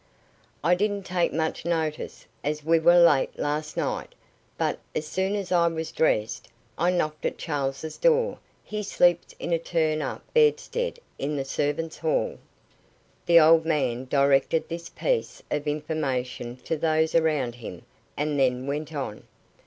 "I didn't take much notice, as we were late last night, but as soon as I was dressed, I knocked at Charles' door he sleeps in a turn up bedstead in the servants' hall." The old man directed this piece of information to those around him, and then went on.